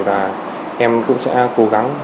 và em cũng sẽ cố gắng